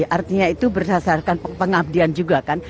artinya itu berdasarkan pengabdian juga kan